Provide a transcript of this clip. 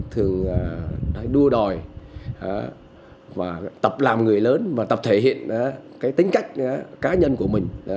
thường đua đòi tập làm người lớn và tập thể hiện tính cách cá nhân của mình